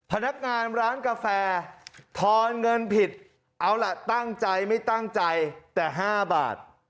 พนักงานร้านกาแฟทอนเงินผิดเอาล่ะตั้งใจไม่ตั้งใจแต่๕บาท